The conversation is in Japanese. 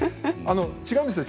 違うんですよ。